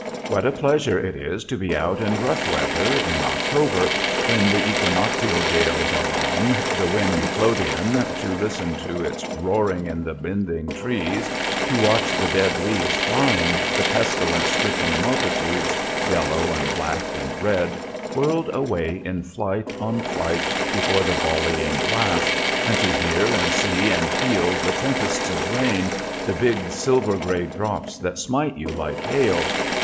What a pleasure it is to be out in rough weather in October when the equinoctial gales are on, "the wind Euroclydon," to listen to its roaring in the bending trees, to watch the dead leaves flying, the pestilence stricken multitudes, yellow and black and red, whirled away in flight on flight before the volleying blast, and to hear and see and feel the tempests of rain, the big silver grey drops that smite you like hail!